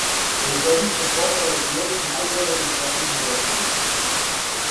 Овогодишње поплаве биле су најгоре у последњим деценијама.